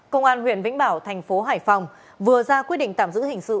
công an huyện vĩnh bảo thành phố hải phòng vừa ra quyết định tạm giữ hình sự